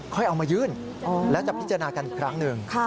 เอามายื่นแล้วจะพิจารณากันอีกครั้งหนึ่ง